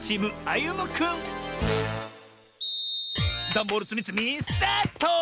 ダンボールつみつみスタート！